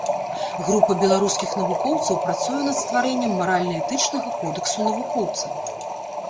Група беларускіх навукоўцаў працуе над стварэннем маральна-этычнага кодэксу навукоўца.